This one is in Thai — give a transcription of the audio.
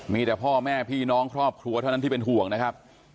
มีแต่พ่อแม่พี่น้องครอบครัวเท่านั้นที่เป็นห่วงนะครับ